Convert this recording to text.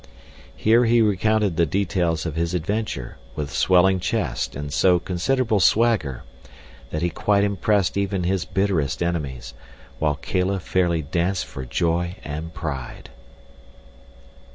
Here he recounted the details of his adventure, with swelling chest and so considerable swagger that he quite impressed even his bitterest enemies, while Kala fairly danced for joy and pride.